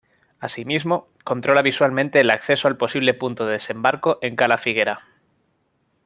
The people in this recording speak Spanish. Asimismo, controla visualmente el acceso al posible punto de desembarco en Cala Figuera.